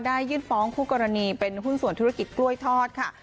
ยื่นฟ้องคู่กรณีเป็นหุ้นส่วนธุรกิจกล้วยทอดค่ะ